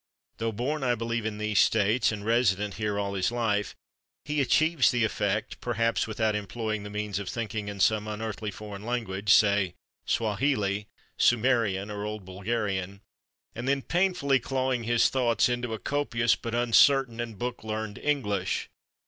Though born, I believe, in These States, and resident here all his life, he achieves the effect, perhaps without employing the means, of thinking in some unearthly foreign language—say Swahili, Sumerian or Old Bulgarian—and then painfully clawing his thoughts into a copious but uncertain and book learned English.